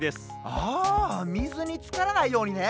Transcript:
あみずにつからないようにね！